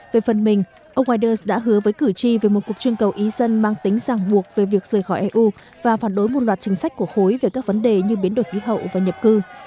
về phần mình ông widers đã hứa với cử tri về một cuộc trương cầu ý dân mang tính giảng buộc về việc rời khỏi eu và phản đối một loạt chính sách của khối về các vấn đề như biến đổi khí hậu và nhập cư